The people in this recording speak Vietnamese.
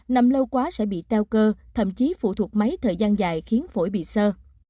nằm lâu quá sẽ bị teo cơ thậm chí phụ thuộc mấy thời gian dài khiến phổi bị sơ